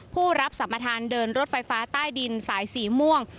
ผู้รับสัมประธานเดินรถไฟฟ้าใต้ดินสายสีม่วง